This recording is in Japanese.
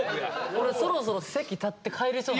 俺そろそろ席立って帰りそうな。